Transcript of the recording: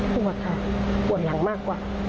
ปวดค่ะปวดหลังมากกว่า